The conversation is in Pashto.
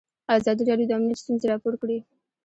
ازادي راډیو د امنیت ستونزې راپور کړي.